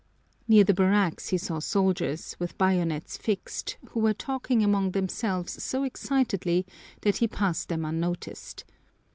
Near the barracks he saw soldiers, with bayonets fixed, who were talking among themselves so excitedly that he passed them unnoticed.